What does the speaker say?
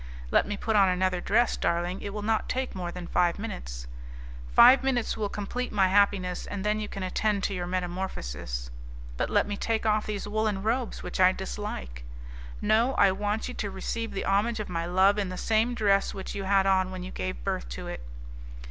"Let me put on another dress, darling, it will not take more than five minutes." "Five minutes will complete my happiness, and then you can attend to your metamorphosis." "But let me take off these woollen robes, which I dislike." "No; I want you to receive the homage of my love in the same dress which you had on when you gave birth to it."